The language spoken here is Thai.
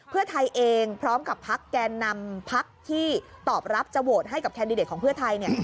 เพื่อไทยเองพร้อมกับพักแกนนำพักที่ตอบรับจะโหวตให้กับแคนดิเดตของเพื่อไทย